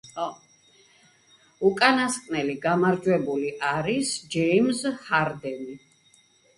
უკანასკნელი გამარჯვებული არის ჯეიმზ ჰარდენი.